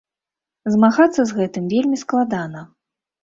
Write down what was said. Змагацца з гэтым вельмі складана.